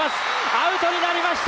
アウトになりました！